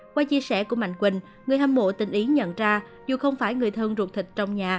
qua chia sẻ của mạnh quỳnh người hâm mộ tình ý nhận ra dù không phải người thân ruột thịt trong nhà